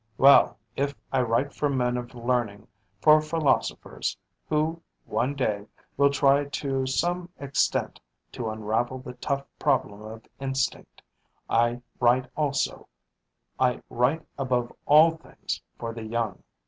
Well, if I write for men of learning, for philosophers, who, one day, will try to some extent to unravel the tough problem of instinct, I write also, I write above all things for the young.